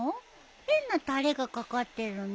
変なたれが掛かってるね。